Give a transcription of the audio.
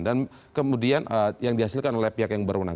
dan kemudian yang dihasilkan oleh pihak yang berunang